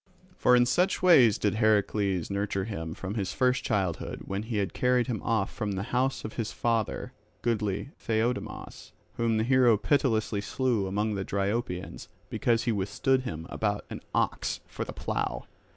For in such ways did Heracles nurture him from his first childhood when he had carried him off from the house of his father, goodly Theiodamas, whom the hero pitilessly slew among the Dryopians because he withstood him about an ox for the plough.